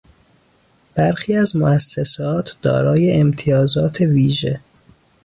برخی از موسسات دارای امتیازات ویژه